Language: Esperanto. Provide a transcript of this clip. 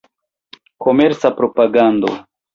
Komerca propagando.